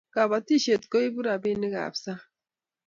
kabatishet koibu rabin ab sang